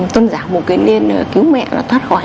tôn giáo bồ kỳ liên cứu mẹ thoát khỏi